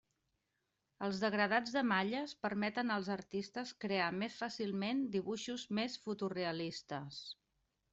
Els degradats de malles permeten als artistes crear més fàcilment dibuixos més foto realistes.